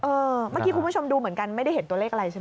เมื่อกี้คุณผู้ชมดูเหมือนกันไม่ได้เห็นตัวเลขอะไรใช่ไหม